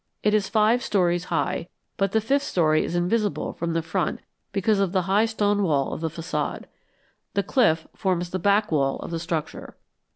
It is five stories high, but the fifth story is invisible from the front because of the high stone wall of the façade. The cliff forms the back wall of the structure.